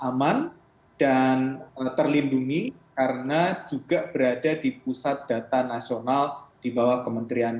dan aman dan terlindungi karena juga berada di pusat data nasional di bawah kementerian